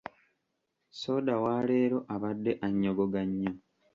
Soda wa leero abadde annyogoga nnyo.